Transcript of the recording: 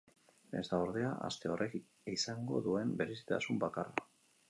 Ez da, ordea, aste horrek izango duen berezitasun bakarra.